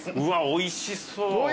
おいしそう！